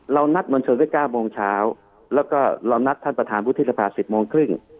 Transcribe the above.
เรานัดมวลชนตั้งแต่๙โมงเช้าแล้วก็เรานัดท่านประธานพุทธฤษภาษณ์๑๐โมงครึ่ง